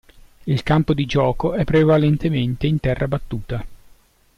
Il campo di gioco è prevalentemente in terra battuta.